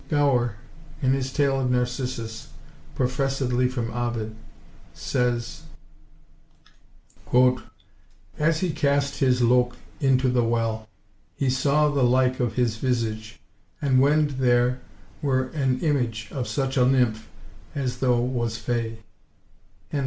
Gower, in his tale of Narcissus, professedly from Ovid, says— "——As he cast his loke Into the well,—— He sawe the like of his visage, And wende there were an ymage Of such a nymphe, as tho was faye."